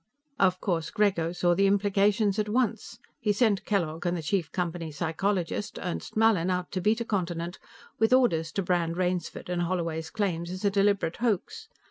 "Of course, Grego saw the implications at once. He sent Kellogg and the chief Company psychologist, Ernst Mallin, out to Beta Continent with orders to brand Rainsford's and Holloway's claims as a deliberate hoax.